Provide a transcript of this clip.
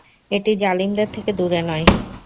এটি জালিমদের থেকে দূরে নয়।